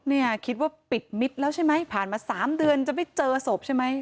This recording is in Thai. เนี่ยคิดว่าปิดมิตรแล้วใช่ไหมผ่านมา๓เดือนจะไม่เจอศพใช่ไหม